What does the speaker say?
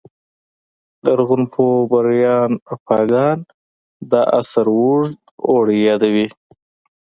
لرغونپوه بریان فاګان دا عصر اوږد اوړی یادوي